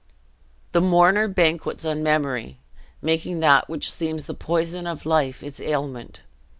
The mourner banquets on memory; making that which seems the poison of life, its ailment.